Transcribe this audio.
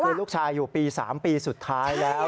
คือลูกชายอยู่ปี๓ปีสุดท้ายแล้ว